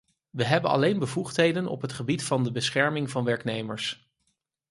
We hebben alleen bevoegdheden op het gebied van de bescherming van werknemers.